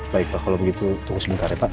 baik pak kalau begitu tunggu sebentar ya pak